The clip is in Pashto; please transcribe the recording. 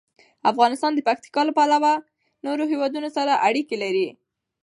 افغانستان د پکتیکا له پلوه له نورو هېوادونو سره اړیکې لري.